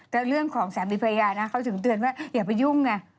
แต่เรื่องของสามีภรรยานะเขาถึงเตือนว่าอย่าไปยุ่งไง